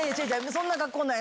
そんな学校ない。